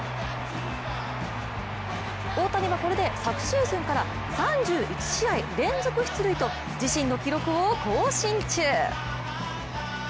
大谷はこれで昨シーズンから３１試合連続出塁と自身の記録を更新中。